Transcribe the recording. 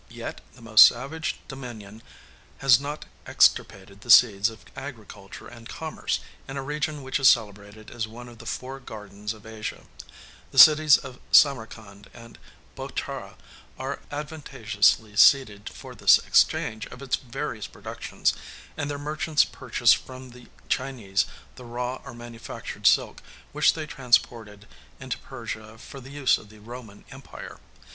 Yet the most savage dominion has not extirpated the seeds of agriculture and commerce, in a region which is celebrated as one of the four gardens of Asia; the cities of Samarcand and Bochara are advantageously seated for the exchange of its various productions; and their [Pg 6305] merchants purchased from the Chinese the raw or manufactured silk which they transported into Persia for the use of the Roman Empire.